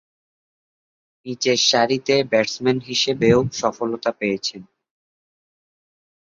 নিচেরসারিতে ব্যাটসম্যান হিসেবেও সফলতা পেয়েছেন।